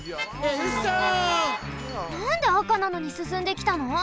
なんであかなのにすすんできたの？